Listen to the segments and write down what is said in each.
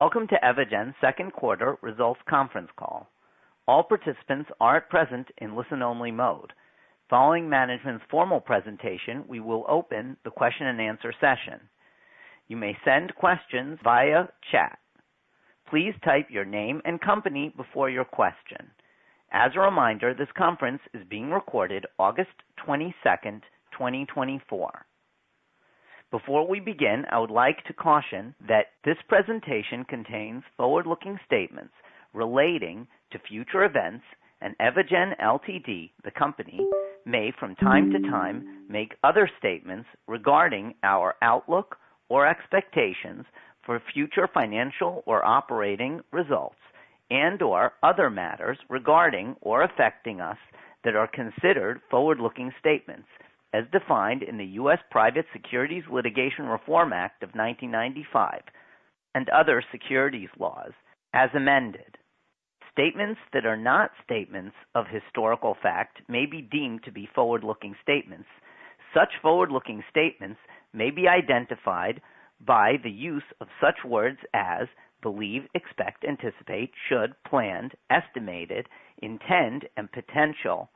Welcome to Evogene's Second Quarter Results Conference Call. All participants are at present in listen-only mode. Following management's formal presentation, we will open the question and answer session. You may send questions via chat. Please type your name and company before your question. As a reminder, this conference is being recorded August 22nd, 2024. Before we begin, I would like to caution that this presentation contains forward-looking statements relating to future events and Evogene Ltd., the company, may from time to time make other statements regarding our outlook or expectations for future financial or operating results and/or other matters regarding or affecting us that are considered forward-looking statements as defined in the U.S. Private Securities Litigation Reform Act of 1995 and other securities laws as amended. Statements that are not statements of historical fact may be deemed to be forward-looking statements. Such forward-looking statements may be identified by the use of such words as believe, expect, anticipate, should, planned, estimated, intend, and potential,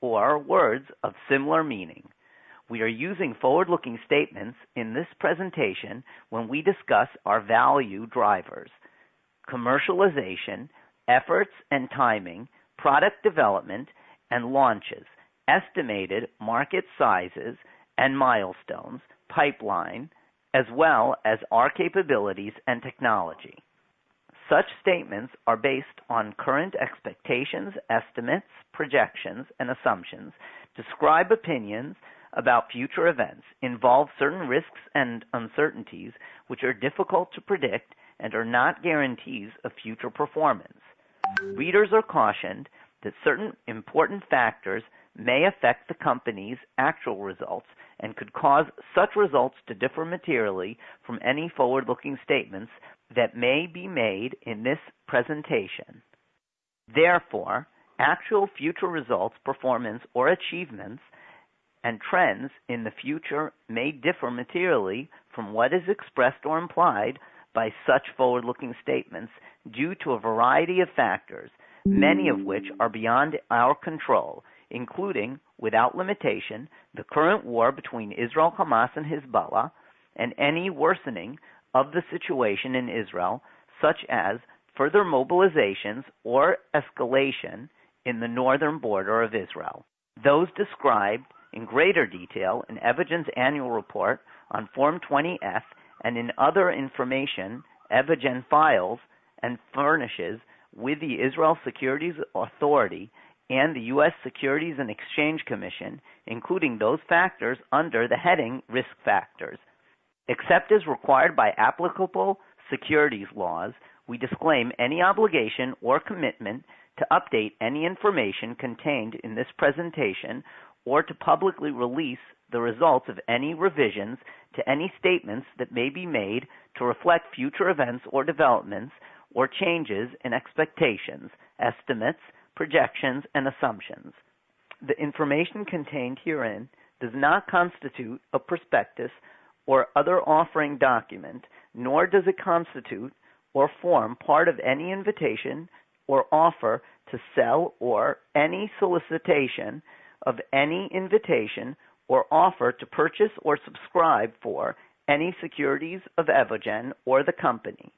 or words of similar meaning. We are using forward-looking statements in this presentation when we discuss our value drivers, commercialization, efforts and timing, product development and launches, estimated market sizes and milestones, pipeline, as well as our capabilities and technology. Such statements are based on current expectations, estimates, projections, and assumptions, describe opinions about future events, involve certain risks and uncertainties which are difficult to predict and are not guarantees of future performance. Readers are cautioned that certain important factors may affect the company's actual results and could cause such results to differ materially from any forward-looking statements that may be made in this presentation. Therefore, actual future results, performance or achievements and trends in the future may differ materially from what is expressed or implied by such forward-looking statements due to a variety of factors, many of which are beyond our control, including without limitation, the current war between Israel, Hamas, and Hezbollah, and any worsening of the situation in Israel, such as further mobilizations or escalation in the northern border of Israel. Those described in greater detail in Evogene's annual report on Form 20-F and in other information Evogene files and furnishes with the Israel Securities Authority and the U.S. Securities and Exchange Commission, including those factors under the heading Risk Factors. Except as required by applicable securities laws, we disclaim any obligation or commitment to update any information contained in this presentation or to publicly release the results of any revisions to any statements that may be made to reflect future events or developments or changes in expectations, estimates, projections, and assumptions. The information contained herein does not constitute a prospectus or other offering document, nor does it constitute or form part of any invitation or offer to sell, or any solicitation of any invitation or offer to purchase or subscribe for any securities of Evogene or the company,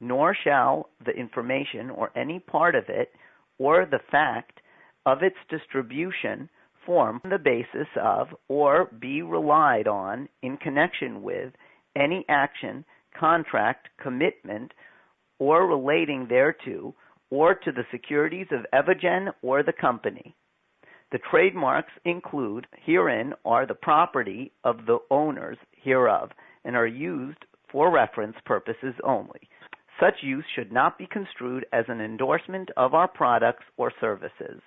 nor shall the information or any part of it, or the fact of its distribution, form the basis of or be relied on in connection with any action, contract, commitment, or relating thereto, or to the securities of Evogene or the company. The trademarks include herein are the property of the owners hereof and are used for reference purposes only. Such use should not be construed as an endorsement of our products or services.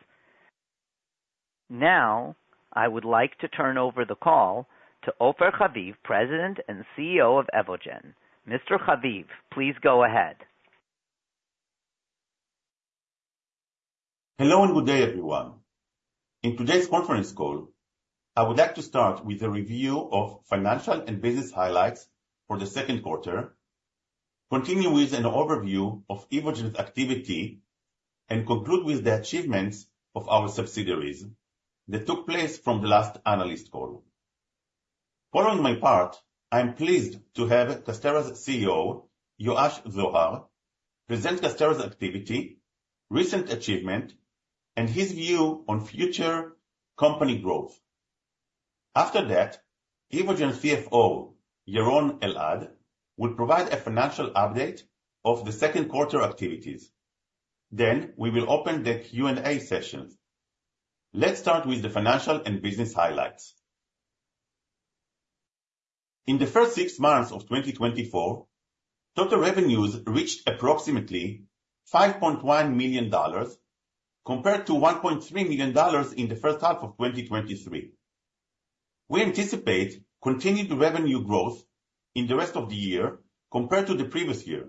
Now, I would like to turn over the call to Ofer Haviv, President and CEO of Evogene. Mr. Haviv, please go ahead. Hello, and good day, everyone. In today's conference call, I would like to start with a review of financial and business highlights for the second quarter, continue with an overview of Evogene's activity, and conclude with the achievements of our subsidiaries that took place from the last analyst call. Following my part, I'm pleased to have Casterra's CEO, Yoash Zohar, present Casterra's activity, recent achievement, and his view on future company growth. After that, Evogene's CFO, Yaron Eldad, will provide a financial update of the second quarter activities. Then we will open the Q&A session. Let's start with the financial and business highlights. In the first six months of 2024, total revenues reached approximately $5.1 million compared to $1.3 million in the first half of 2023. We anticipate continued revenue growth in the rest of the year compared to the previous year.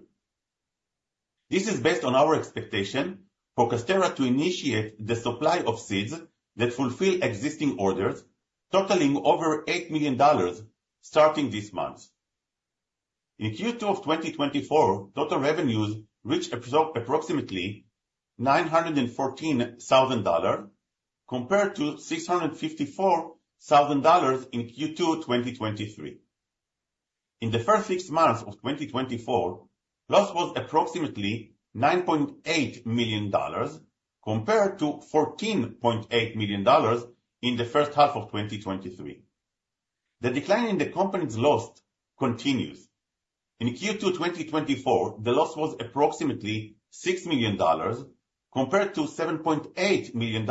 This is based on our expectation for Casterra to initiate the supply of seeds that fulfill existing orders, totaling over $8 million starting this month. In Q2 of 2024, total revenues reached approximately $914,000, compared to $654,000 in Q2, 2023. In the first six months of 2024, loss was approximately $9.8 million, compared to $14.8 million in the first half of 2023. The decline in the company's loss continues. In Q2, 2024, the loss was approximately $6 million, compared to $7.8 million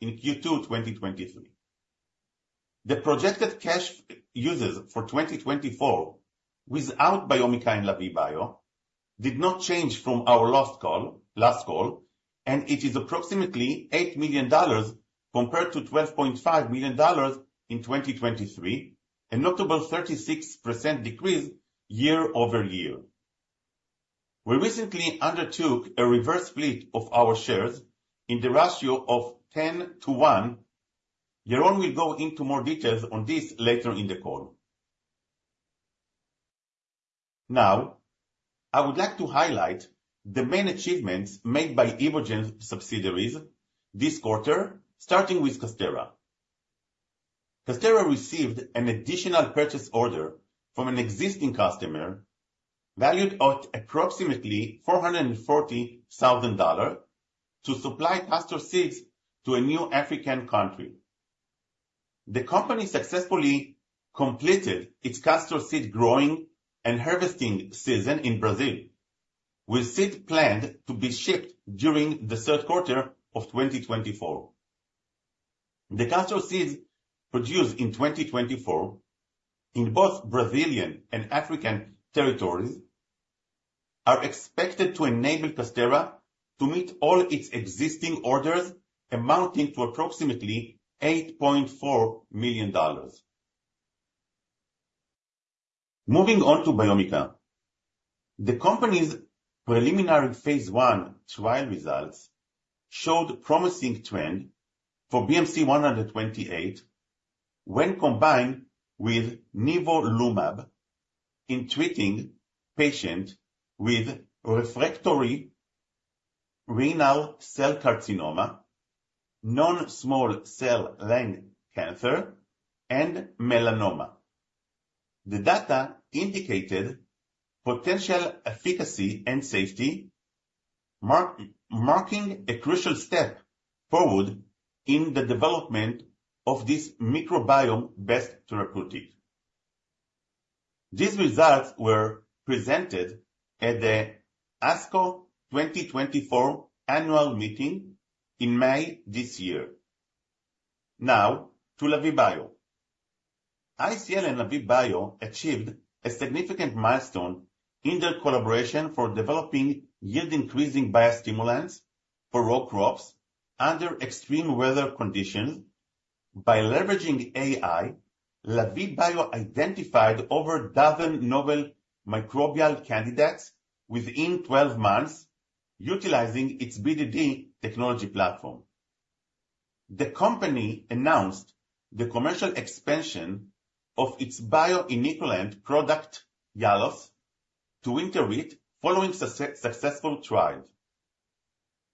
in Q2, 2023. The projected cash uses for 2024 without Biomica and Lavie Bio did not change from our last call, and it is approximately $8 million compared to $12.5 million in 2023, a notable 36% decrease year over year. We recently undertook a reverse split of our shares in the ratio of 10-to-1. Yaron will go into more details on this later in the call. Now, I would like to highlight the main achievements made by Evogene subsidiaries this quarter, starting with Casterra. Casterra received an additional purchase order from an existing customer, valued at approximately $440,000, to supply castor seeds to a new African country. The company successfully completed its castor seed growing and harvesting season in Brazil, with seed planned to be shipped during the third quarter of 2024. The castor seeds produced in 2024, in both Brazilian and African territories, are expected to enable Casterra to meet all its existing orders, amounting to approximately $8.4 million. Moving on to Biomica. The company's preliminary phase I trial results showed promising trend for BMC-128 when combined with nivolumab in treating patients with refractory renal cell carcinoma, non-small cell lung cancer, and melanoma. The data indicated potential efficacy and safety, marking a crucial step forward in the development of this microbiome-based therapeutic. These results were presented at the ASCO 2024 Annual Meeting in May this year. Now to Lavie Bio. ICL and Lavie Bio achieved a significant milestone in their collaboration for developing yield-increasing biostimulants for row crops under extreme weather conditions. By leveraging AI, Lavie Bio identified over a dozen novel microbial candidates within 12 months utilizing its BDD technology platform. The company announced the commercial expansion of its bio-inoculant product, Yalos, to winter wheat following successful trials.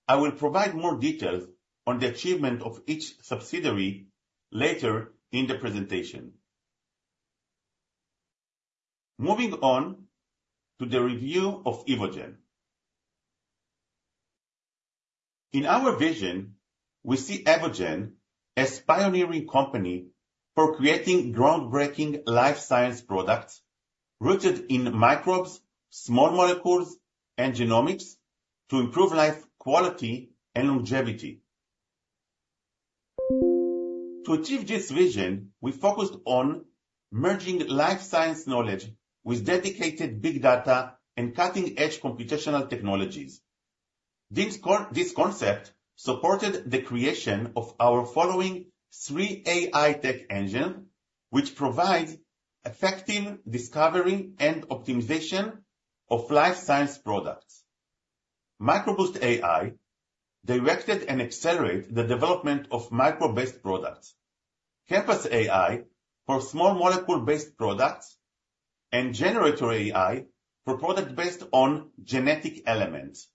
I will provide more details on the achievement of each subsidiary later in the presentation. Moving on to the review of Evogene. In our vision, we see Evogene as pioneering company for creating groundbreaking life science products rooted in microbes, small molecules, and genomics to improve life, quality, and longevity. To achieve this vision, we focused on merging life science knowledge with dedicated big data and cutting-edge computational technologies. This concept supported the creation of our following three AI tech engine, which provide effective discovery and optimization of life science products. MicroBoost AI, directed and accelerate the development of microbe-based products. ChemPass AI for small molecule-based products, and GeneRator AI for products based on genetic elements.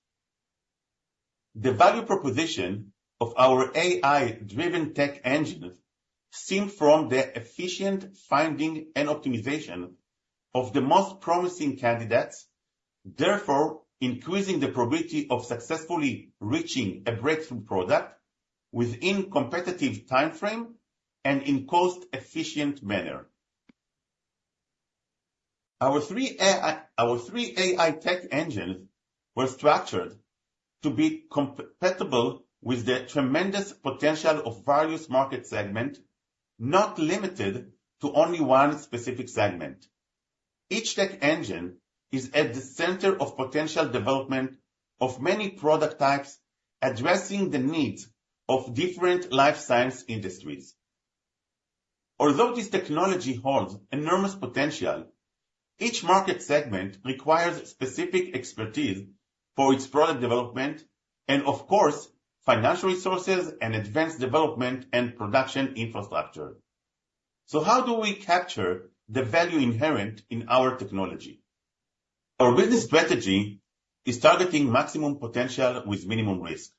The value proposition of our AI-driven tech engine stem from the efficient finding and optimization of the most promising candidates, therefore increasing the probability of successfully reaching a breakthrough product within competitive timeframe and in cost-efficient manner. Our three AI tech engines were structured to be compatible with the tremendous potential of various market segment, not limited to only one specific segment. Each tech engine is at the center of potential development of many product types, addressing the needs of different life science industries.... Although this technology holds enormous potential, each market segment requires specific expertise for its product development and, of course, financial resources and advanced development and production infrastructure. So how do we capture the value inherent in our technology? Our business strategy is targeting maximum potential with minimum risk.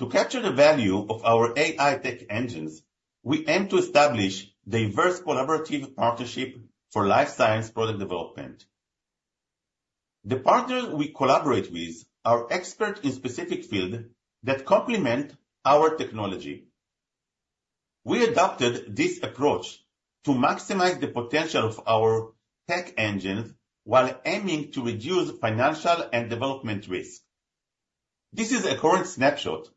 To capture the value of our AI tech engines, we aim to establish diverse collaborative partnerships for life science product development. The partners we collaborate with are experts in specific fields that complement our technology. We adopted this approach to maximize the potential of our tech engines while aiming to reduce financial and development risk. This is a current snapshot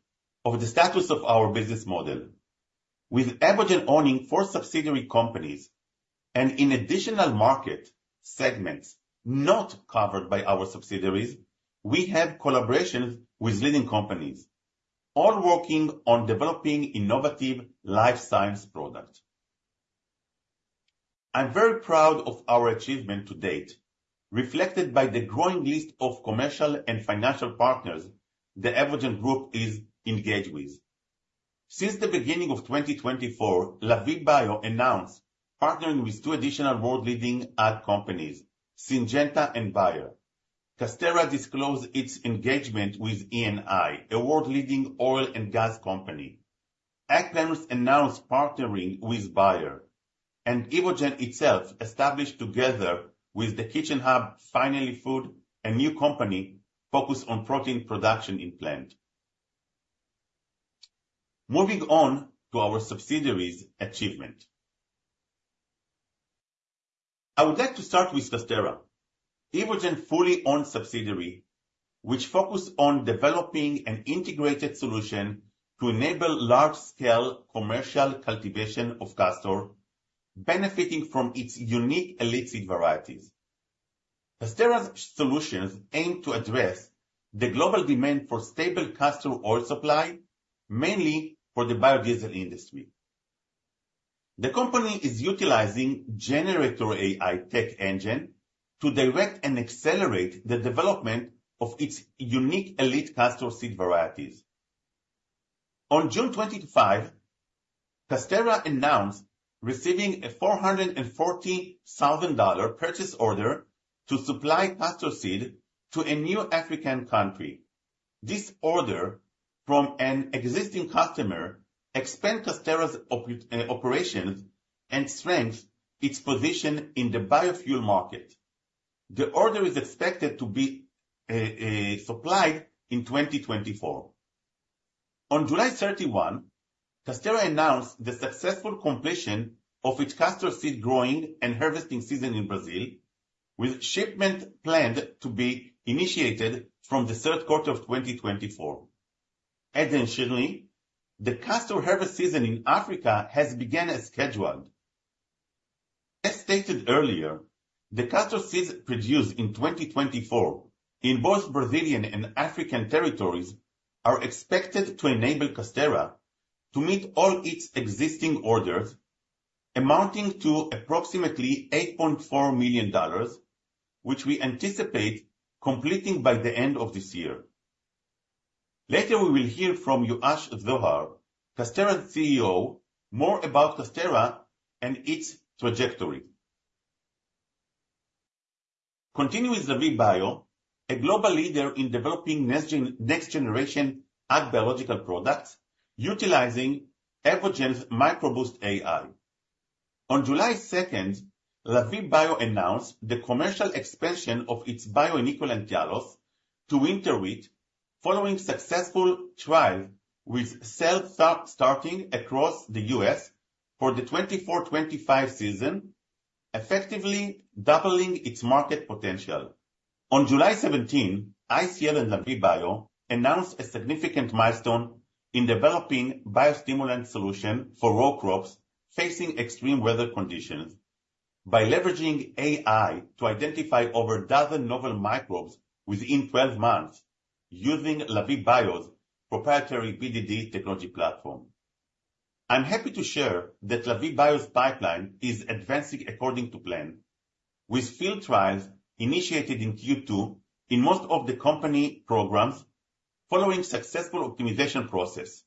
of the status of our business model. With Evogene owning four subsidiary companies and in additional market segments not covered by our subsidiaries, we have collaborations with leading companies, all working on developing innovative life science products. I'm very proud of our achievements to date, reflected by the growing list of commercial and financial partners the Evogene group is engaged with. Since the beginning of 2024, Lavie Bio announced partnering with two additional world-leading ag companies, Syngenta and Bayer. Casterra disclosed its engagement with Eni, a world leading oil and gas company. AgPlenus announced partnering with Bayer, and Evogene itself established together with The Kitchen Hub, Finally Foods, a new company focused on protein production in plants. Moving on to our subsidiaries achievements. I would like to start with Casterra, Evogene fully owned subsidiary, which focus on developing an integrated solution to enable large-scale commercial cultivation of castor, benefiting from its unique elite seed varieties. Casterra's solutions aim to address the global demand for stable castor oil supply, mainly for the biodiesel industry. The company is utilizing GeneRator AI tech engine to direct and accelerate the development of its unique elite castor seed varieties. On June 25, Casterra announced receiving a $440,000 purchase order to supply castor seed to a new African country. This order from an existing customer expand Casterra's operations and strengths its position in the biofuel market. The order is expected to be supplied in 2024. On July 31, Casterra announced the successful completion of its castor seed growing and harvesting season in Brazil, with shipment planned to be initiated from the third quarter of 2024. Additionally, the castor harvest season in Africa has begun as scheduled. As stated earlier, the castor seeds produced in 2024 in both Brazilian and African territories are expected to enable Casterra to meet all its existing orders, amounting to approximately $8.4 million, which we anticipate completing by the end of this year. Later, we will hear from Yoash Zohar, Casterra's CEO, more about Casterra and its trajectory. Continuing with Lavie Bio, a global leader in developing next-generation ag biological products utilizing Evogene's MicroBoost AI. On July 2, Lavie Bio announced the commercial expansion of its bio-inoculant Yalos to winter wheat, following successful trial with sales starting across the U.S. for the 2024-2025 season, effectively doubling its market potential. On July 17, ICL and Lavie Bio announced a significant milestone in developing biostimulant solution for row crops facing extreme weather conditions by leveraging AI to identify over a dozen novel microbes within 12 months using Lavie Bio's proprietary BDD technology platform. I'm happy to share that Lavie Bio's pipeline is advancing according to plan, with field trials initiated in Q2 in most of the company programs following successful optimization process.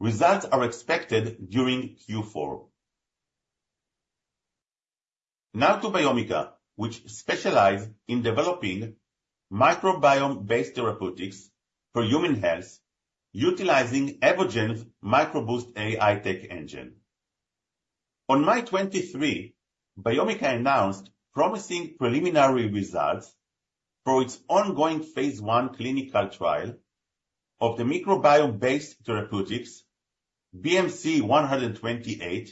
Results are expected during Q4. Now to Biomica, which specializes in developing microbiome-based therapeutics for human health, utilizing Evogene's MicroBoost AI tech engine. On May 23, Biomica announced promising preliminary results for its ongoing phase 1 clinical trial of the microbiome-based therapeutics, BMC-128,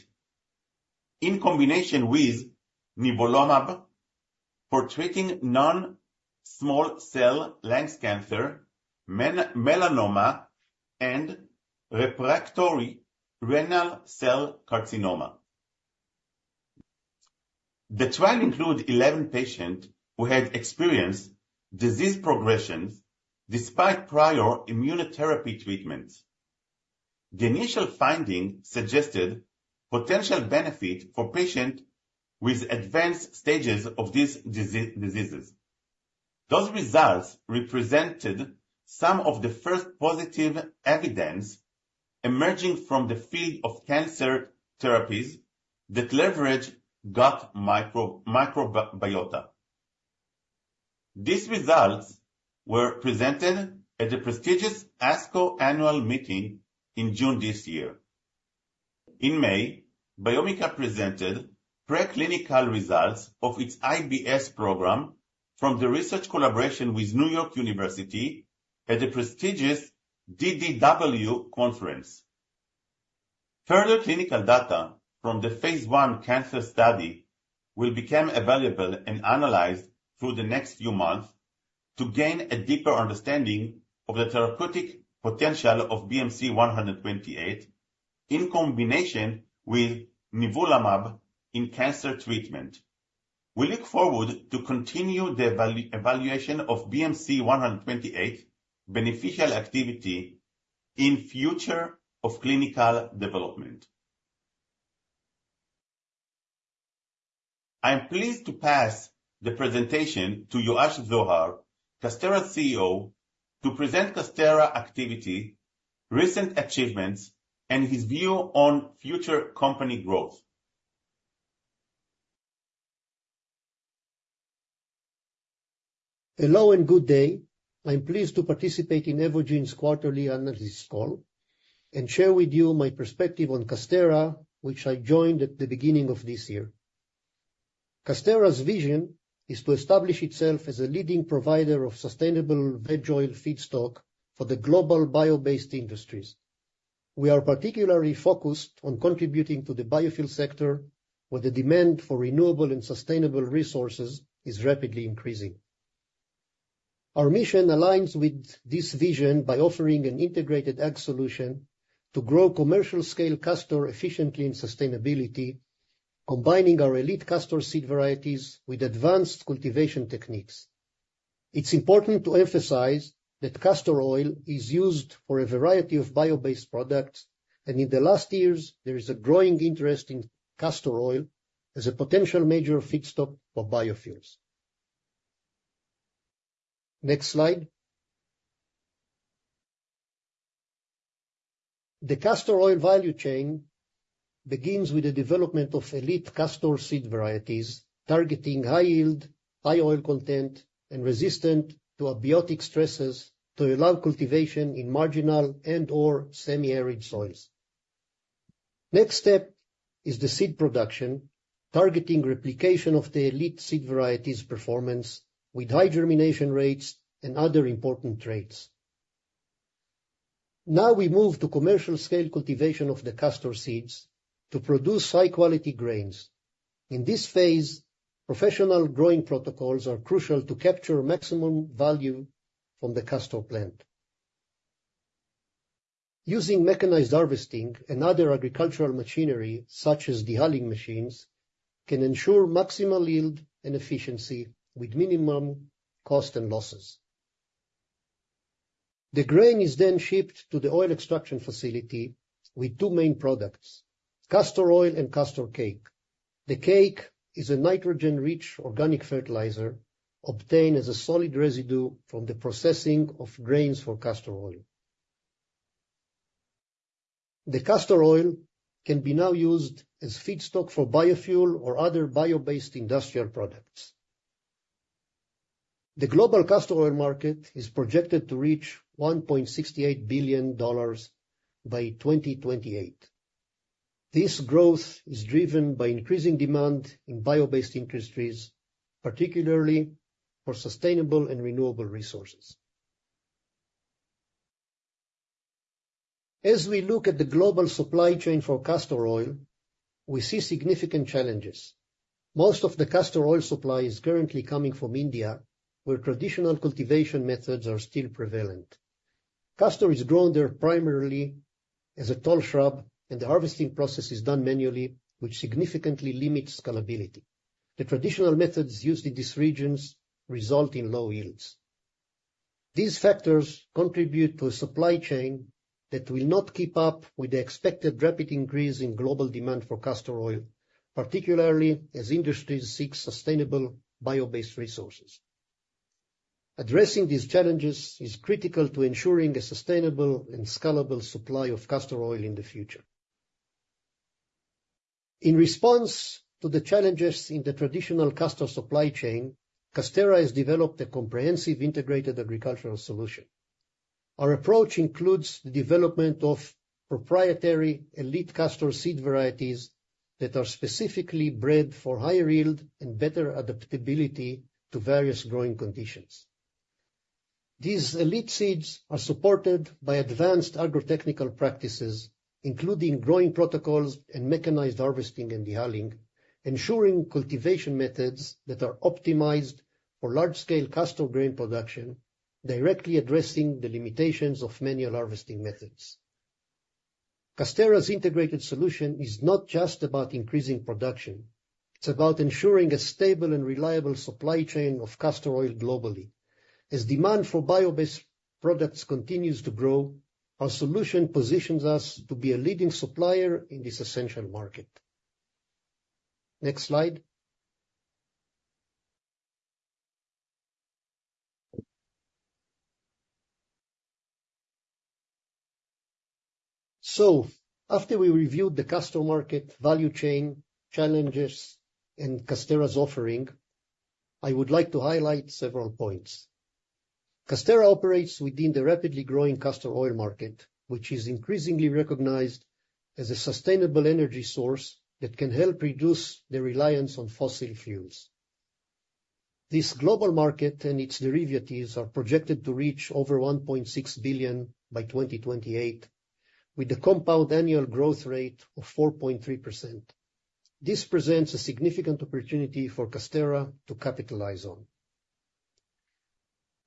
in combination with nivolumab for treating non-small cell lung cancer, melanoma, and refractory renal cell carcinoma. The trial include 11 patient who had experienced disease progression despite prior immunotherapy treatments. The initial finding suggested potential benefit for patient with advanced stages of these diseases. Those results represented some of the first positive evidence emerging from the field of cancer therapies that leverage gut microbiota. These results were presented at the prestigious ASCO Annual Meeting in June this year. In May, Biomica presented preclinical results of its IBS program from the research collaboration with New York University at the prestigious DDW conference. Further clinical data from the phase 1 cancer study will become available and analyzed through the next few months to gain a deeper understanding of the therapeutic potential of BMC-128 in combination with nivolumab in cancer treatment. We look forward to continue the evaluation of BMC-128 beneficial activity in future of clinical development. I am pleased to pass the presentation to Yoash Zohar, Casterra's CEO, to present Casterra activity, recent achievements, and his view on future company growth. Hello, and good day. I'm pleased to participate in Evogene's quarterly analysis call and share with you my perspective on Casterra, which I joined at the beginning of this year. Casterra's vision is to establish itself as a leading provider of sustainable veg oil feedstock for the global bio-based industries. We are particularly focused on contributing to the biofuel sector, where the demand for renewable and sustainable resources is rapidly increasing. Our mission aligns with this vision by offering an integrated ag solution to grow commercial-scale castor efficiently and sustainably, combining our elite castor seed varieties with advanced cultivation techniques. It's important to emphasize that castor oil is used for a variety of bio-based products, and in the last years, there is a growing interest in castor oil as a potential major feedstock for biofuels. Next slide. The castor oil value chain begins with the development of elite castor seed varieties, targeting high yield, high oil content, and resistant to abiotic stresses to allow cultivation in marginal and/or semi-arid soils. Next step is the seed production, targeting replication of the elite seed varieties' performance with high germination rates and other important traits. Now, we move to commercial-scale cultivation of the castor seeds to produce high-quality grains. In this phase, professional growing protocols are crucial to capture maximum value from the castor plant. Using mechanized harvesting and other agricultural machinery, such as dehulling machines, can ensure maximum yield and efficiency with minimum cost and losses. The grain is then shipped to the oil extraction facility with two main products, castor oil and castor cake. The cake is a nitrogen-rich organic fertilizer, obtained as a solid residue from the processing of grains for castor oil. The castor oil can be now used as feedstock for biofuel or other bio-based industrial products. The global castor oil market is projected to reach $1.68 billion by 2028. This growth is driven by increasing demand in bio-based industries, particularly for sustainable and renewable resources. As we look at the global supply chain for castor oil, we see significant challenges. Most of the castor oil supply is currently coming from India, where traditional cultivation methods are still prevalent. Castor is grown there primarily as a tall shrub, and the harvesting process is done manually, which significantly limits scalability. The traditional methods used in these regions result in low yields. These factors contribute to a supply chain that will not keep up with the expected rapid increase in global demand for castor oil, particularly as industries seek sustainable, bio-based resources. Addressing these challenges is critical to ensuring a sustainable and scalable supply of castor oil in the future. In response to the challenges in the traditional castor supply chain, Casterra has developed a comprehensive integrated agricultural solution. Our approach includes the development of proprietary elite castor seed varieties that are specifically bred for higher yield and better adaptability to various growing conditions. These elite seeds are supported by advanced agro-technical practices, including growing protocols and mechanized harvesting and dehulling, ensuring cultivation methods that are optimized for large-scale castor grain production, directly addressing the limitations of manual harvesting methods. Casterra's integrated solution is not just about increasing production, it's about ensuring a stable and reliable supply chain of castor oil globally. As demand for bio-based products continues to grow, our solution positions us to be a leading supplier in this essential market. Next slide. After we reviewed the castor market value chain, challenges, and Casterra's offering, I would like to highlight several points. Casterra operates within the rapidly growing castor oil market, which is increasingly recognized as a sustainable energy source that can help reduce the reliance on fossil fuels. This global market and its derivatives are projected to reach over $1.6 billion by 2028, with a compound annual growth rate of 4.3%. This presents a significant opportunity for Casterra to capitalize on.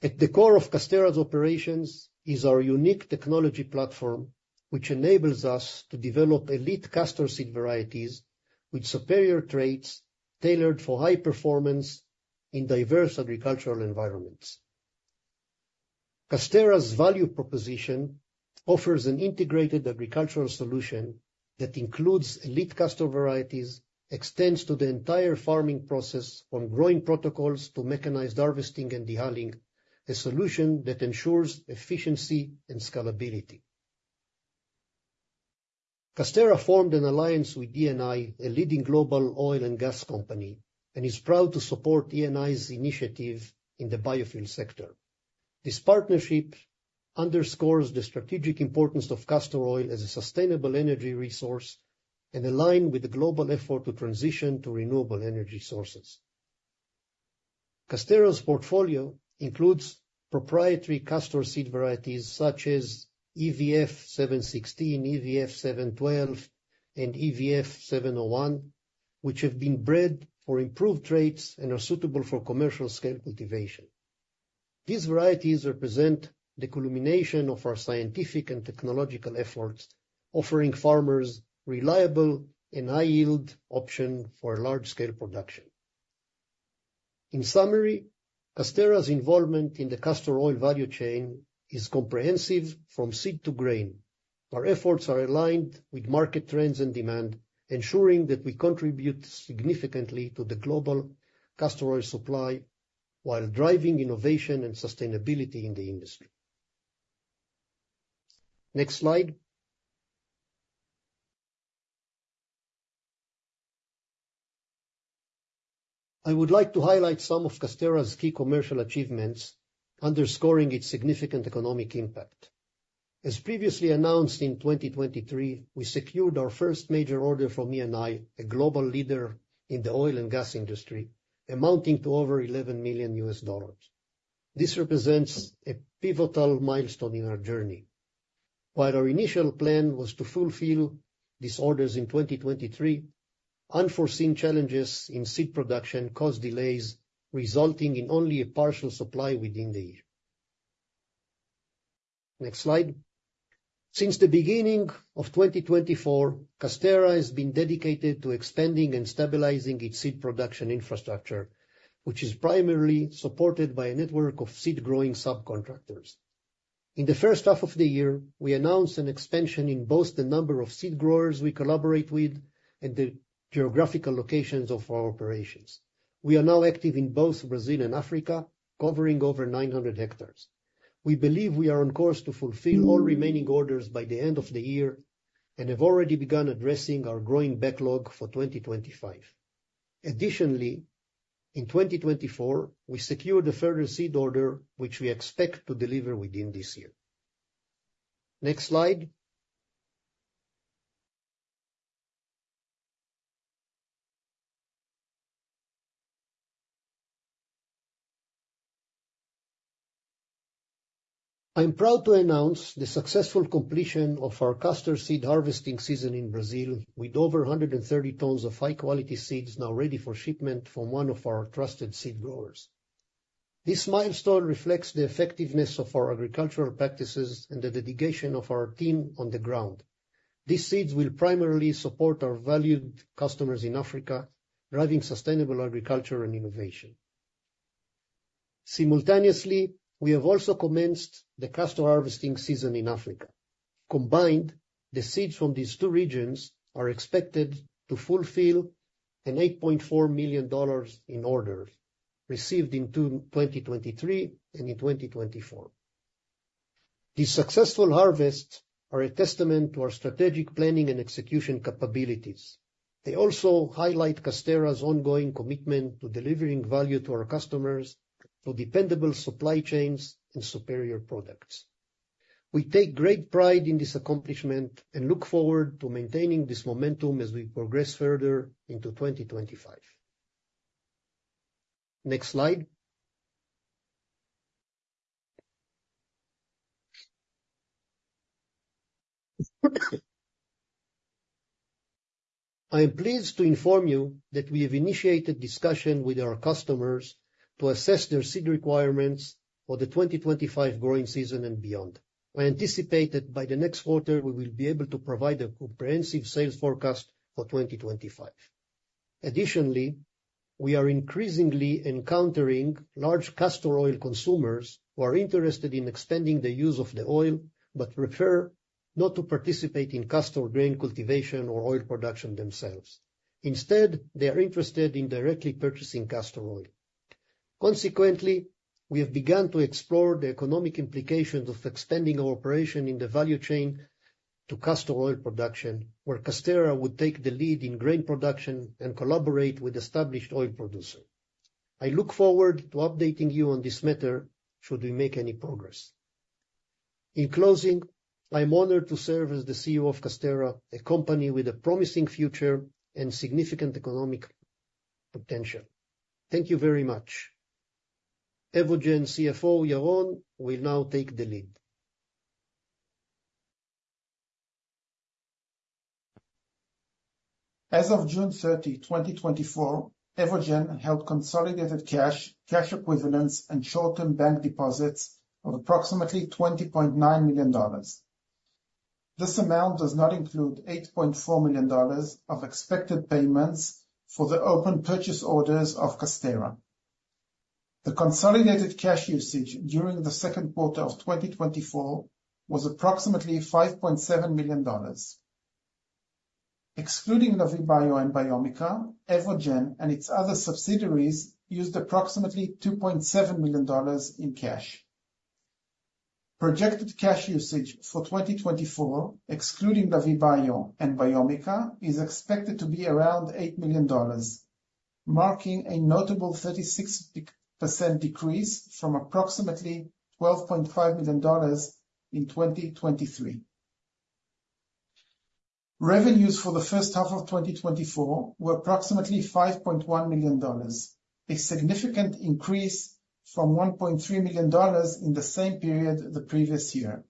At the core of Casterra's operations is our unique technology platform, which enables us to develop elite castor seed varieties with superior traits, tailored for high performance in diverse agricultural environments. Casterra's value proposition offers an integrated agricultural solution that includes elite castor varieties, extends to the entire farming process on growing protocols to mechanized harvesting and dehulling, a solution that ensures efficiency and scalability. Casterra formed an alliance with Eni, a leading global oil and gas company, and is proud to support Eni's initiative in the biofuel sector. This partnership underscores the strategic importance of castor oil as a sustainable energy resource and align with the global effort to transition to renewable energy sources. Casterra's portfolio includes proprietary castor seed varieties such as EVF-716, EVF-712, and EVF-701, which have been bred for improved traits and are suitable for commercial-scale cultivation. These varieties represent the culmination of our scientific and technological efforts, offering farmers reliable and high-yield option for large-scale production. In summary, Casterra's involvement in the castor oil value chain is comprehensive from seed to grain. Our efforts are aligned with market trends and demand, ensuring that we contribute significantly to the global castor oil supply, while driving innovation and sustainability in the industry. Next slide. I would like to highlight some of Casterra's key commercial achievements, underscoring its significant economic impact. As previously announced in 2023, we secured our first major order from Eni, a global leader in the oil and gas industry, amounting to over $11 million. This represents a pivotal milestone in our journey. While our initial plan was to fulfill these orders in 2023, unforeseen challenges in seed production caused delays, resulting in only a partial supply within the year. Next slide. Since the beginning of 2024, Casterra has been dedicated to expanding and stabilizing its seed production infrastructure, which is primarily supported by a network of seed-growing subcontractors. In the first half of the year, we announced an expansion in both the number of seed growers we collaborate with and the geographical locations of our operations. We are now active in both Brazil and Africa, covering over 900 hectares. We believe we are on course to fulfill all remaining orders by the end of the year and have already begun addressing our growing backlog for 2025. Additionally, in 2024, we secured a further seed order, which we expect to deliver within this year. Next slide. I'm proud to announce the successful completion of our castor seed harvesting season in Brazil, with over 130 tons of high-quality seeds now ready for shipment from one of our trusted seed growers. This milestone reflects the effectiveness of our agricultural practices and the dedication of our team on the ground. These seeds will primarily support our valued customers in Africa, driving sustainable agriculture and innovation. Simultaneously, we have also commenced the castor harvesting season in Africa. Combined, the seeds from these two regions are expected to fulfill $8.4 million in orders received in 2023 and in 2024. These successful harvests are a testament to our strategic planning and execution capabilities. They also highlight Casterra's ongoing commitment to delivering value to our customers through dependable supply chains and superior products. We take great pride in this accomplishment and look forward to maintaining this momentum as we progress further into 2025. Next slide. I am pleased to inform you that we have initiated discussion with our customers to assess their seed requirements for the 2025 growing season and beyond. I anticipate that by the next quarter, we will be able to provide a comprehensive sales forecast for 2025. Additionally, we are increasingly encountering large castor oil consumers who are interested in expanding the use of the oil, but prefer not to participate in castor grain cultivation or oil production themselves. Instead, they are interested in directly purchasing castor oil. Consequently, we have begun to explore the economic implications of expanding our operation in the value chain to castor oil production, where Casterra would take the lead in grain production and collaborate with established oil producer. I look forward to updating you on this matter should we make any progress. In closing, I am honored to serve as the CEO of Casterra, a company with a promising future and significant economic potential. Thank you very much. Evogene CFO, Yaron, will now take the lead. As of June 30, 2024, Evogene held consolidated cash, cash equivalents, and short-term bank deposits of approximately $20.9 million. This amount does not include $8.4 million of expected payments for the open purchase orders of Casterra. The consolidated cash usage during the second quarter of 2024 was approximately $5.7 million. Excluding Lavie Bio and Biomica, Evogene and its other subsidiaries used approximately $2.7 million in cash. Projected cash usage for 2024, excluding Lavie Bio and Biomica, is expected to be around $8 million, marking a notable 36% decrease from approximately $12.5 million in 2023. Revenues for the first half of 2024 were approximately $5.1 million, a significant increase from $1.3 million in the same period the previous year.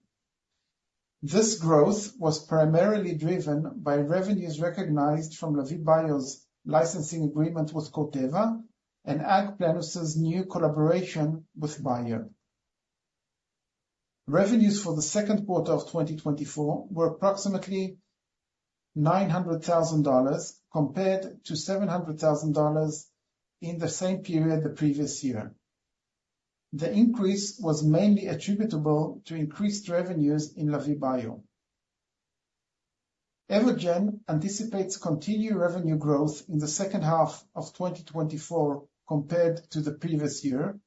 This growth was primarily driven by revenues recognized from the Lavie Bio's licensing agreement with Corteva and AgPlenus' new collaboration with Bayer. Revenues for the second quarter of 2024 were approximately $900,000, compared to $700,000 in the same period the previous year. The increase was mainly attributable to increased revenues in Lavie Bio. Evogene anticipates continued revenue growth in the second half of 2024 compared to the previous year,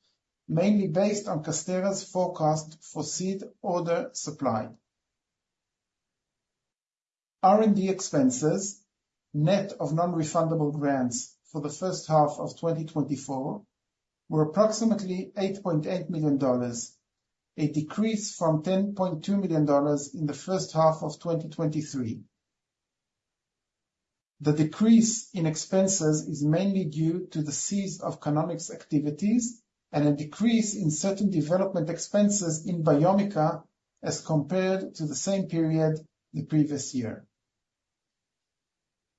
mainly based on Casterra's forecast for seed order supply. R&D expenses, net of non-refundable grants for the first half of 2024, were approximately $8.8 million, a decrease from $10.2 million in the first half of 2023. The decrease in expenses is mainly due to the cease of Canonic's activities and a decrease in certain development expenses in Biomica as compared to the same period the previous year.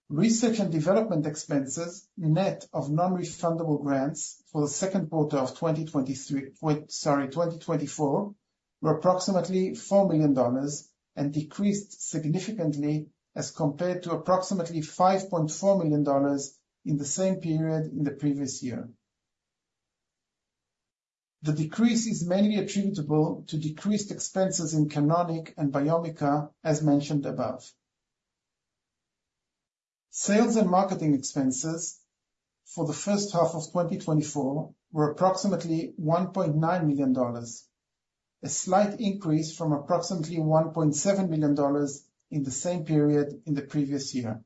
Research and development expenses, net of non-refundable grants for the second quarter of 2023, wait, sorry, 2024, were approximately $4 million and decreased significantly as compared to approximately $5.4 million in the same period in the previous year. The decrease is mainly attributable to decreased expenses in Canonic and Biomica, as mentioned above. Sales and marketing expenses for the first half of 2024 were approximately $1.9 million, a slight increase from approximately $1.7 million in the same period in the previous year.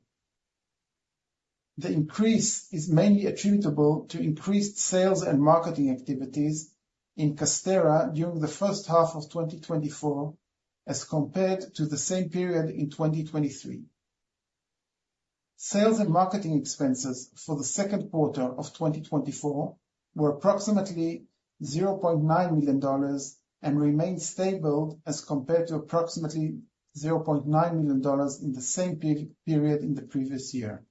The increase is mainly attributable to increased sales and marketing activities in Casterra during the first half of 2024, as compared to the same period in 2023. Sales and marketing expenses for the second quarter of 2024 were approximately $0.9 million and remained stable as compared to approximately $0.9 million in the same period in the previous year.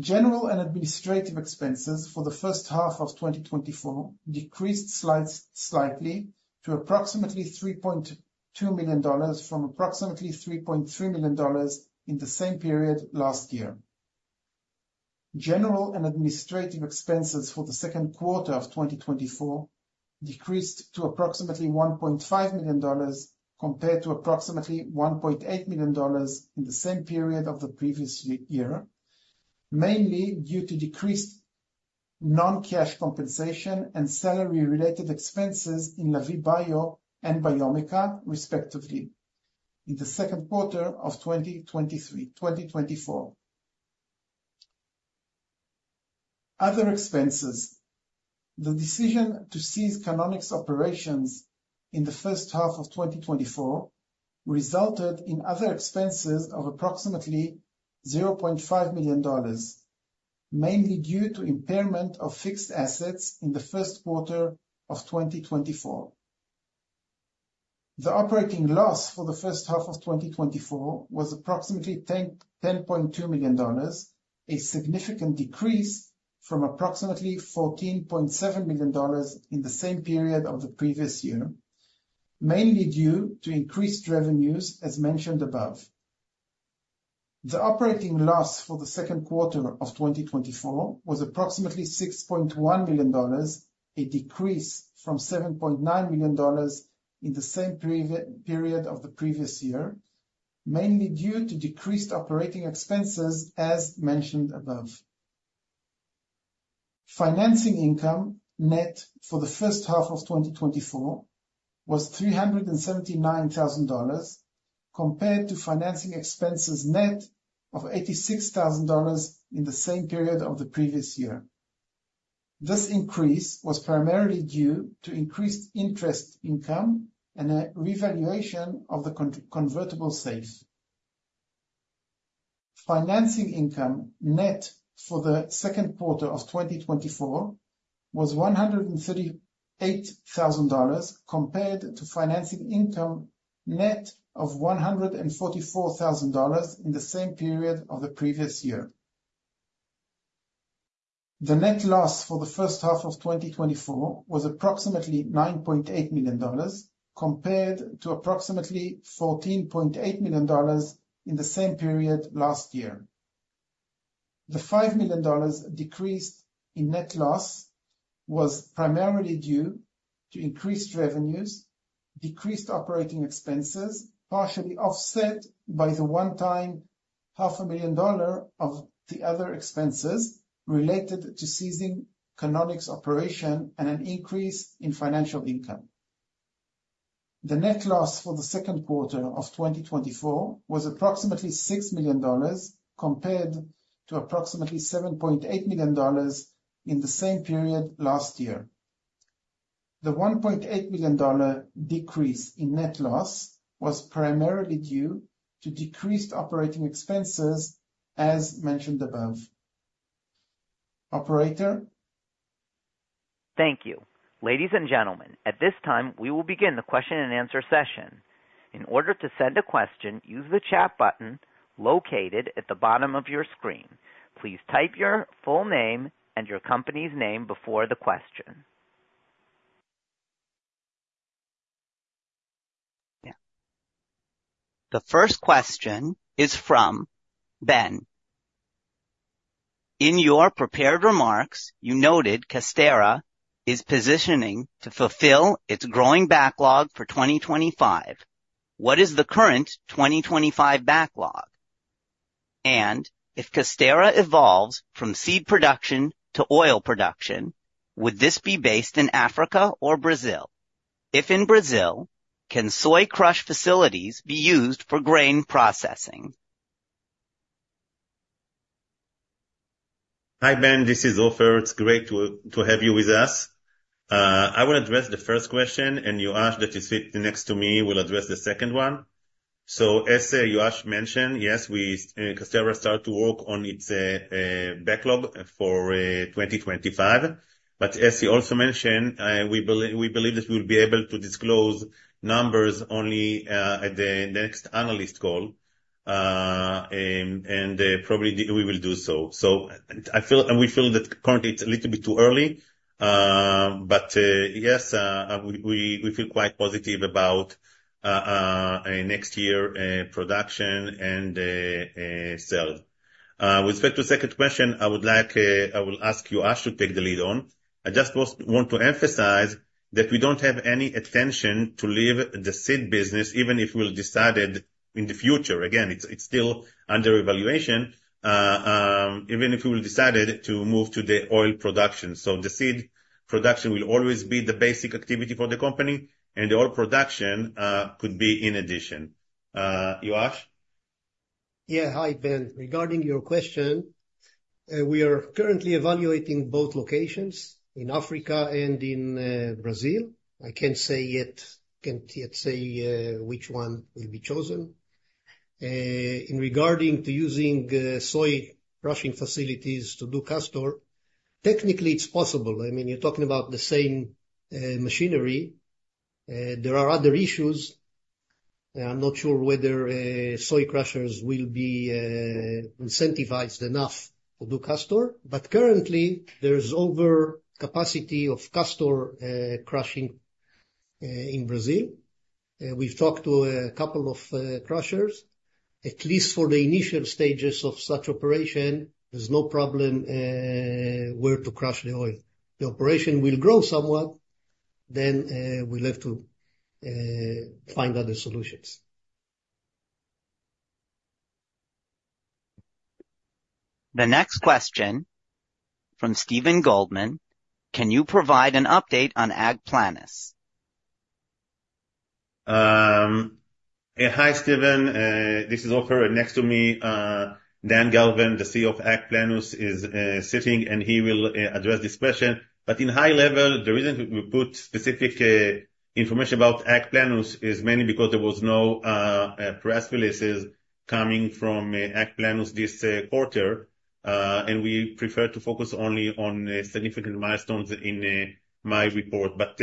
General and administrative expenses for the first half of 2024 decreased slightly to approximately $3.2 million from approximately $3.3 million in the same period last year. General and administrative expenses for the second quarter of 2024 decreased to approximately $1.5 million, compared to approximately $1.8 million in the same period of the previous year, mainly due to decreased non-cash compensation and salary-related expenses in Lavie Bio and Biomica, respectively, in the second quarter of 2023... 2024. Other expenses. The decision to cease Canonic's operations in the first half of 2024 resulted in other expenses of approximately $0.5 million, mainly due to impairment of fixed assets in the first quarter of 2024. The operating loss for the first half of 2024 was approximately $10.2 million, a significant decrease from approximately $14.7 million in the same period of the previous year, mainly due to increased revenues, as mentioned above. The operating loss for the second quarter of 2024 was approximately $6.1 million, a decrease from $7.9 million in the same period of the previous year, mainly due to decreased operating expenses, as mentioned above. Financing income net for the first half of 2024 was $379,000, compared to financing expenses net of $86,000 in the same period of the previous year. This increase was primarily due to increased interest income and a revaluation of the convertible SAFE. Financing income net for the second quarter of 2024 was $138,000, compared to financing income net of $144,000 in the same period of the previous year. The net loss for the first half of 2024 was approximately $9.8 million, compared to approximately $14.8 million in the same period last year. The $5 million decrease in net loss was primarily due to increased revenues, decreased operating expenses, partially offset by the one-time $500,000 of other expenses related to ceasing Canonic's operation and an increase in financial income. The net loss for the second quarter of 2024 was approximately $6 million, compared to approximately $7.8 million in the same period last year. The $1.8 million decrease in net loss was primarily due to decreased operating expenses, as mentioned above. Operator? Thank you. Ladies and gentlemen, at this time, we will begin the question-and-answer session. In order to send a question, use the Chat button located at the bottom of your screen. Please type your full name and your company's name before the question. The first question is from Ben: In your prepared remarks, you noted Casterra is positioning to fulfill its growing backlog for 2025. What is the current 2025 backlog? And if Casterra evolves from seed production to oil production, would this be based in Africa or Brazil? If in Brazil, can soy crush facilities be used for grain processing? Hi, Ben, this is Ofer. It's great to have you with us. I will address the first question, and Yoash, that is sitting next to me, will address the second one. As Yoash mentioned, yes, we, Casterra start to work on its backlog for 2025. But as he also mentioned, we believe that we'll be able to disclose numbers only at the next analyst call, and probably we will do so. I feel, and we feel that currently it's a little bit too early, but yes, we feel quite positive about next year production and sales. With respect to the second question, I would like, I will ask Yoash to take the lead on. I just want to emphasize that we don't have any intention to leave the seed business, even if we'll decide it in the future. Again, it's still under evaluation, even if we will decide it to move to the oil production. So the seed production will always be the basic activity for the company, and the oil production could be in addition. Yoash? Yeah. Hi, Ben. Regarding your question, we are currently evaluating both locations, in Africa and in Brazil. I can't say yet, can't yet say which one will be chosen. In regarding to using soy crushing facilities to do castor, technically it's possible. I mean, you're talking about the same machinery. There are other issues. I'm not sure whether soy crushers will be incentivized enough to do castor, but currently there's overcapacity of castor crushing in Brazil. We've talked to a couple of crushers, at least for the initial stages of such operation, there's no problem where to crush the oil. The operation will grow somewhat, then we'll have to find other solutions. The next question from Steven Goldman: Can you provide an update on AgPlenus? Hi, Steven. This is Ofer. Next to me, Dan Gelvan, the CEO of AgPlenus, is sitting, and he will address this question. But in high level, the reason we put specific information about AgPlenus is mainly because there was no press releases coming from AgPlenus this quarter. And we prefer to focus only on significant milestones in my report. But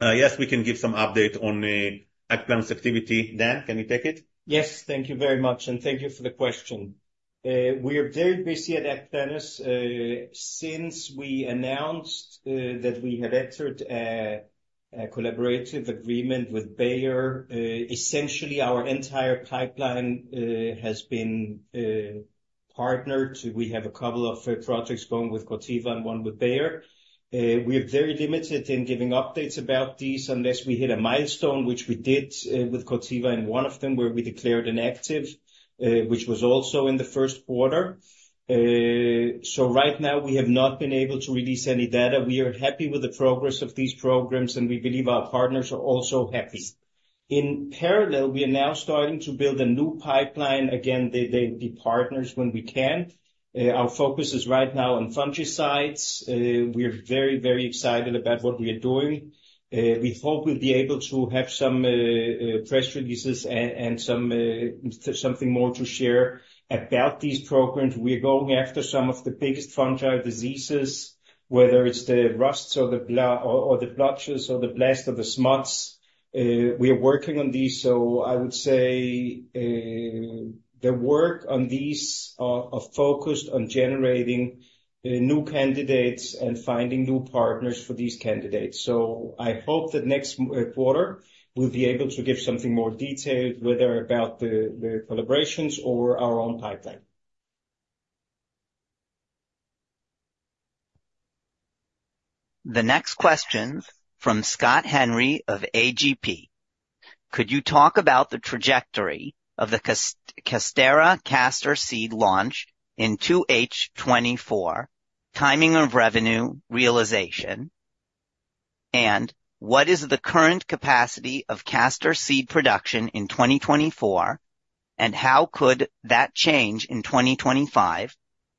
yes, we can give some update on the AgPlenus's activity. Dan, can you take it? Yes, thank you very much, and thank you for the question. We are very busy at AgPlenus, since we announced that we had entered a collaborative agreement with Bayer, essentially our entire pipeline has been partnered. We have a couple of projects going with Corteva and one with Bayer. We are very limited in giving updates about these unless we hit a milestone, which we did with Corteva in one of them, where we declared an active, which was also in the first quarter. So right now, we have not been able to release any data. We are happy with the progress of these programs, and we believe our partners are also happy. In parallel, we are now starting to build a new pipeline. Again, they'll be partners when we can. Our focus is right now on fungicides. We are very, very excited about what we are doing. We hope we'll be able to have some press releases and some something more to share about these programs. We are going after some of the biggest fungi diseases, whether it's the rust or the blotches or the blast or the smuts. We are working on these, so I would say the work on these are focused on generating new candidates and finding new partners for these candidates. I hope that next quarter, we'll be able to give something more detailed, whether about the collaborations or our own pipeline. The next question from Scott Henry of AGP. Could you talk about the trajectory of the Casterra castor seed launch in 2H 2024, timing of revenue realization? And what is the current capacity of castor seed production in 2024, and how could that change in 2025?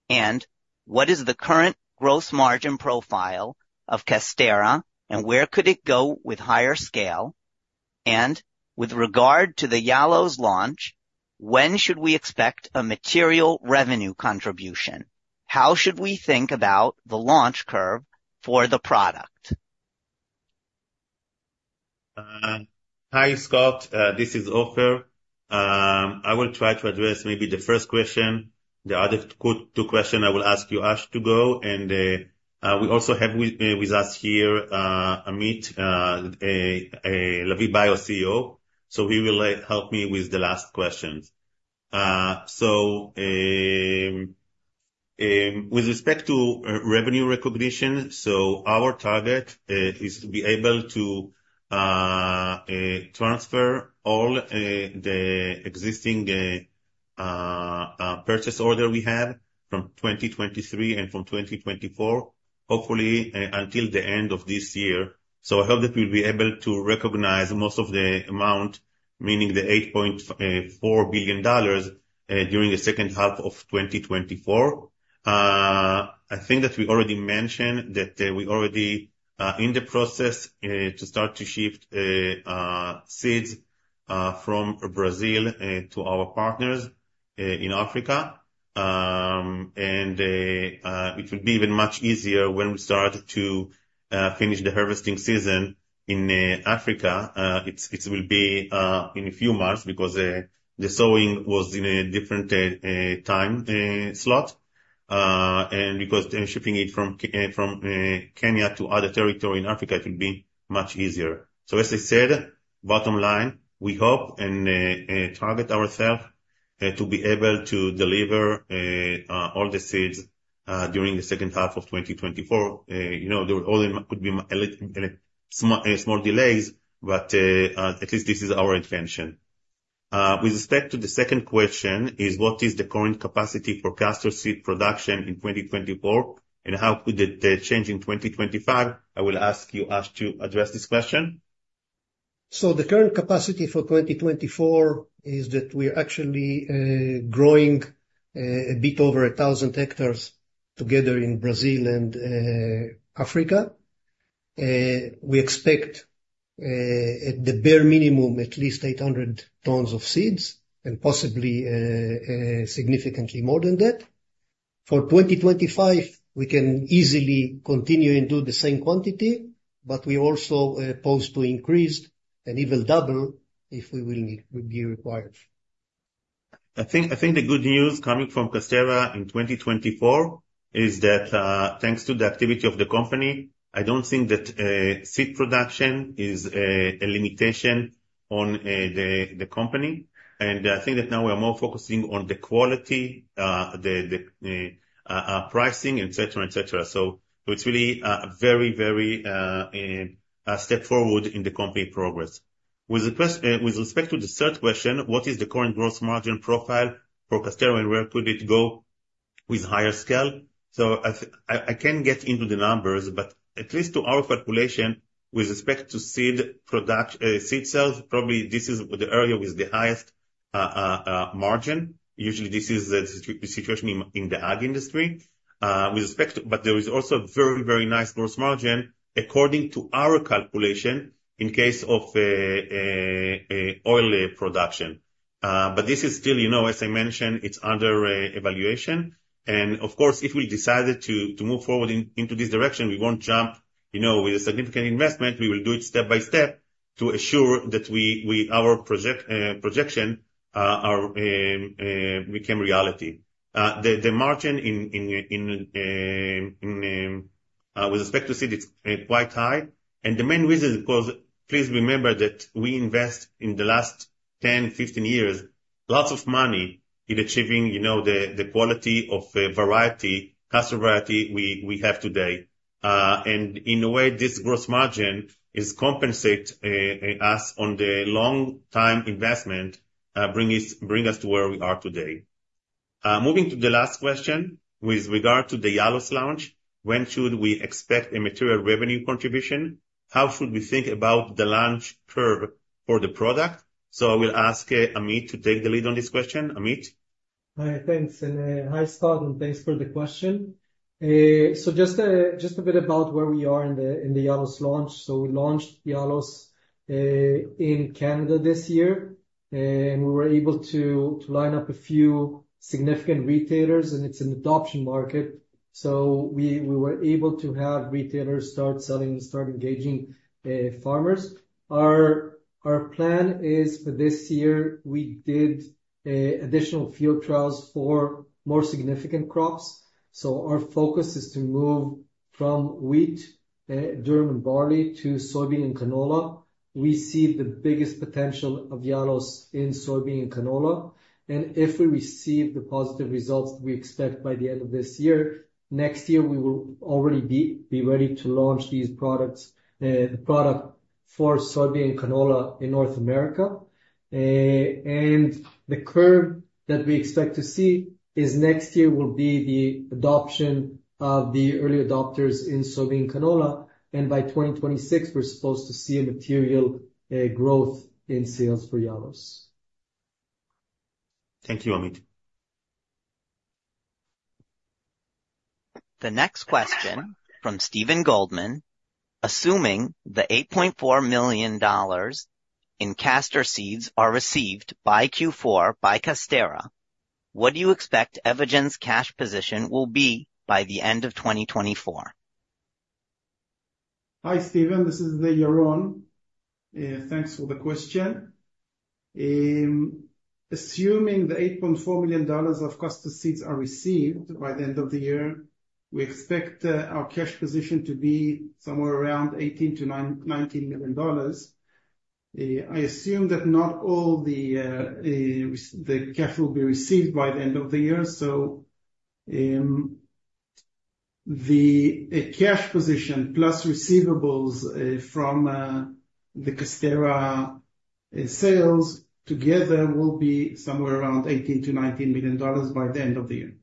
And what is the current gross margin profile of Casterra, and where could it go with higher scale? And with regard to the Yalos launch, when should we expect a material revenue contribution? How should we think about the launch curve for the product? Hi, Scott. This is Ofer. I will try to address maybe the first question. The other two questions, I will ask you, Yaron, to go. And, we also have with us here, Amit, Lavie Bio CEO, so he will help me with the last questions. So, with respect to revenue recognition, so our target is to be able to transfer all the existing purchase order we have from 2023 and from 2024, hopefully, until the end of this year. So I hope that we'll be able to recognize most of the amount, meaning the $8.4 billion, during the second half of 2024. I think that we already mentioned that we already in the process to start to shift seeds from Brazil to our partners in Africa. And it will be even much easier when we start to finish the harvesting season in Africa. It will be in a few months because the sowing was in a different time slot. And because they're shipping it from Kenya to other territory in Africa, it will be much easier. So as I said, bottom line, we hope and target ourself to be able to deliver all the seeds during the second half of 2024. You know, there only could be a little small delays, but at least this is our intention. With respect to the second question, what is the current capacity for castor seed production in 2024, and how could it change in 2025? I will ask you, Yoash, to address this question. The current capacity for 2024 is that we are actually growing a bit over 1,000 hectares together in Brazil and Africa. We expect at the bare minimum at least 800 tons of seeds and possibly significantly more than that. For 2025, we can easily continue and do the same quantity, but we also poised to increase and even double if we will need it, it will be required. I think the good news coming from Casterra in 2024 is that, thanks to the activity of the company, I don't think that seed production is a limitation on the company. I think that now we are more focusing on the quality, the pricing, etc, etc. It's really a very, very step forward in the company progress. With respect to the third question, what is the current gross margin profile for Casterra, and where could it go with higher scale? I can get into the numbers, but at least to our calculation, with respect to seed product, seed sales, probably this is the area with the highest margin. Usually, this is the situation in the ag industry. With respect to. But there is also very, very nice gross margin, according to our calculation, in case of oil production. But this is still, you know, as I mentioned, it's under evaluation. And of course, if we decided to move forward into this direction, we won't jump, you know, with a significant investment. We will do it step by step to assure that our projection become reality. The margin in with respect to seed, it's quite high. And the main reason is because please remember that we invest in the last 10-15 years, lots of money in achieving, you know, the quality of variety, castor variety we have today. and in a way, this gross margin is compensate us on the long time investment, bring us to where we are today. Moving to the last question with regard to the Yalos launch, when should we expect a material revenue contribution? How should we think about the launch curve for the product? So I will ask, Amit to take the lead on this question. Amit? Thanks. And, hi, Scott, and thanks for the question. So just a bit about where we are in the Yalos launch. We launched Yalos in Canada this year, and we were able to line up a few significant retailers, and it's an adoption market, so we were able to have retailers start selling, start engaging farmers. Our plan is for this year, we did additional field trials for more significant crops. So our focus is to move from wheat, durum and barley to soybean and canola. We see the biggest potential of Yalos in soybean and canola, and if we receive the positive results we expect by the end of this year, next year, we will already be ready to launch these products, the product for soybean and canola in North America. And the curve that we expect to see is next year will be the adoption of the early adopters in soybean, canola, and by 2026, we're supposed to see a material growth in sales for Yalos. Thank you, Amit. The next question from Steven Goldman: Assuming the $8.4 million in castor seeds are received by Q4 by Casterra, what do you expect Evogene's cash position will be by the end of 2024? Hi, Steven. This is Yaron. Thanks for the question. Assuming the $8.4 million of castor seeds are received by the end of the year, we expect our cash position to be somewhere around $18-$19 million. I assume that not all the cash will be received by the end of the year, so the cash position, plus receivables, from the Casterra sales together will be somewhere around $18-$19 million by the end of the year.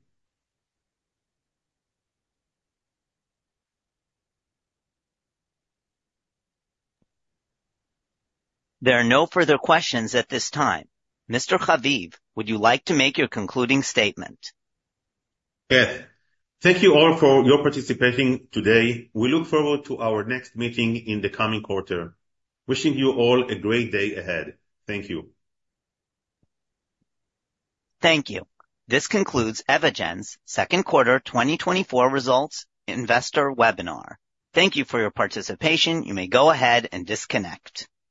There are no further questions at this time. Mr. Haviv, would you like to make your concluding statement? Yeah. Thank you all for your participating today. We look forward to our next meeting in the coming quarter. Wishing you all a great day ahead. Thank you. Thank you. This concludes Evogene's Second Quarter 2024 Results Investor Webinar. Thank you for your participation. You may go ahead and disconnect.